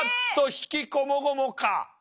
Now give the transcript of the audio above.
悲喜こもごもか。